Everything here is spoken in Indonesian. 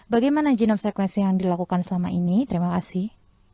bagaimana genom sekuensi yang dilakukan selama ini terima kasih